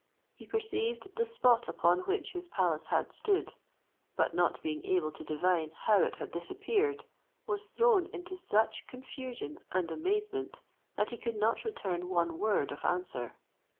He perceived the spot upon which his palace had stood; but not being able to divine how it had disappeared, was thrown into such great confusion and amazement, that he could not return one word of answer.